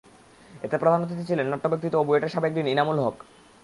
এতে প্রধান অতিথি ছিলেন নাট্যব্যক্তিত ও বুয়েটের সাবেক ডিন ইনামুল হক।